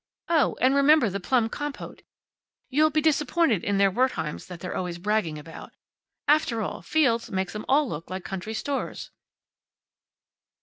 Oh, and remember the plum compote. You'll be disappointed in their Wertheim's that they're always bragging about. After all, Field's makes 'em all look like country stores."